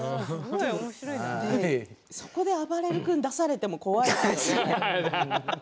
そこであばれる君出されても怖いよね。